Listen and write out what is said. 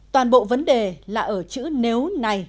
toàn bộ vấn đề là ở chữ nếu